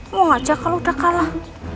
mau ngajak kalo udah kalah